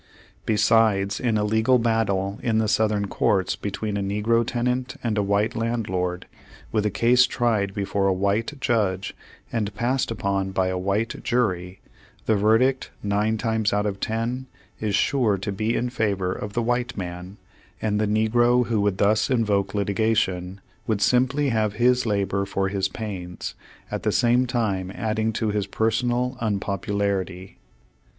Besides, in a legal battle in the Southern courts between a negro tenant and a white landlord, v/ith the case tried before a white judge and passed upon by a white jury, the verdict, nine times out of ten, is sure to be in favor of the white man, and the negro who would thus invoke litigation would simply have his labor for his pains, at the same time adding to his personal unpopularity.